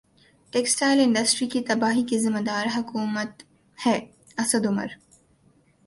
textile industry کی تباہی کی ذمہ دار حکومت ہے اسد عمر